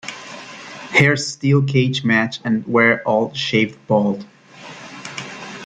Hairs steel cage match and were all shaved bald.